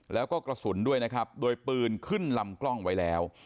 แล้วก็กระสุนด้วยนะครับโดยปืนขึ้นลำกล้องไว้แล้ว